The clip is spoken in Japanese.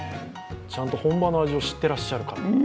ちゃんと本場の味を知ってらっしゃるから。